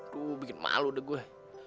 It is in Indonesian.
tuh bikin malu deh gue